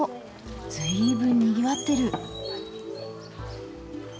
随分にぎわってる。